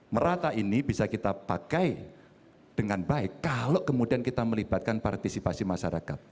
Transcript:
merata ini bisa kita pakai dengan baik kalau kemudian kita melibatkan partisipasi masyarakat